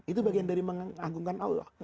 itu bagian dari menganggungkan allah